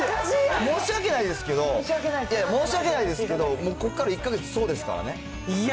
申し訳ないですけど、申し訳ないですけど、ここから１か月、そうですからね。